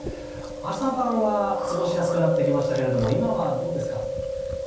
朝晩は過ごしやすくなってきましたけども今はどうですか。